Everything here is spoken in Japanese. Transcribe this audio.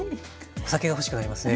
お酒が欲しくなりますね